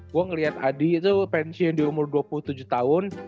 gue ngeliat adi itu pensiun di umur dua puluh tujuh tahun